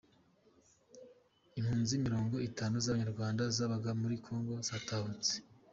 Impunzi mirongo itanu z’abanyarwanda zabaga muri Congo zatahutse